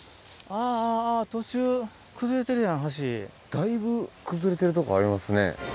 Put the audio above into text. だいぶ崩れてるとこありますね。